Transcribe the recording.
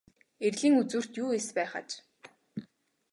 Эрлийн үзүүрт юу эс байх аж.